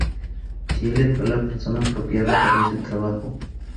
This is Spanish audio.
Thiele fue la persona apropiada para ese trabajo.